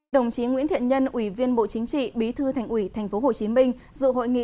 đồng chí nguyễn thiện nhân ủy viên bộ chính trị bí thư thành ủy tp hcm dự hội nghị